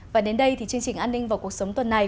và đến đây thì chương trình an ninh và cuộc sống tuần này